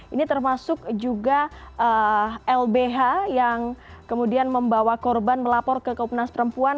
ini termasuk juga lbh yang kemudian membawa korban melapor ke komnas perempuan